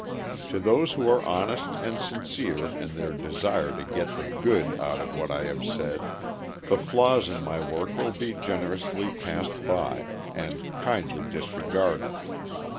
To those who are honest and sincere in their desire to get the good out of what I have said, the flaws in my work will be generously passed by, and kindly disregarded.